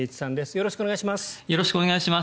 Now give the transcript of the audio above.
よろしくお願いします。